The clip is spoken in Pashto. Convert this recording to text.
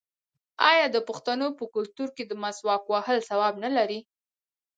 آیا د پښتنو په کلتور کې د مسواک وهل ثواب نه دی؟